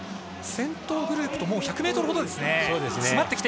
先頭グループと１００ｍほどですね。